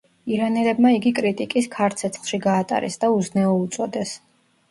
ირანელებმა იგი კრიტიკის ქარ-ცეცხლში გაატარეს და „უზნეო“ უწოდეს.